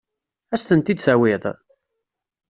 Ad as-tent-id-tawiḍ?